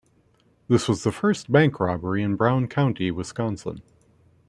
This was the first bank robbery in Brown County, Wisconsin.